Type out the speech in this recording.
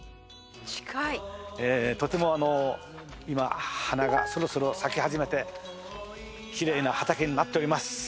とてもあの今花がそろそろ咲き始めてきれいな畑になっております。